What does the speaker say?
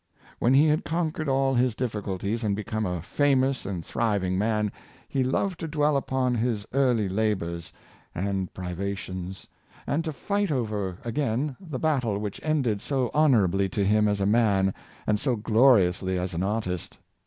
When he had conquered all his difficulties and become a famous and thriving man, he loved to dwell upon his early labors and pri vations, and to light over again the battle which ended so honorably to him as a man and so gloriously as an artist.